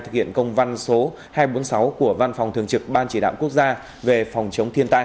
thực hiện công văn số hai trăm bốn mươi sáu của văn phòng thường trực ban chỉ đạo quốc gia về phòng chống thiên tai